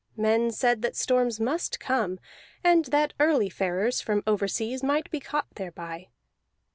Men said that storms must come, and that early farers from overseas might be caught thereby.